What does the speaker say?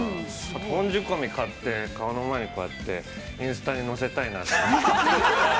本仕込買って、顔の前にこうやって、インスタに載せたいなと思いました。